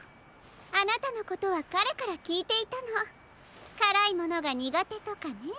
あなたのことはかれからきいていたのからいものがにがてとかね。